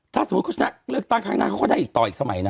ถ้าสมมุติเขาชนะเลือกตั้งครั้งหน้าเขาก็ได้อีกต่ออีกสมัยนะ